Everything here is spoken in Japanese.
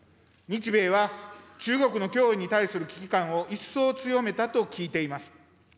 日米は中国の脅威に対する危機感を一層強めたと聞いています。